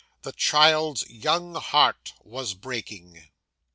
The child's young heart was breaking.